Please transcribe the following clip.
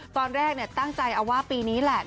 ตอนแรกตั้งใจเอาว่าปีนี้แหละ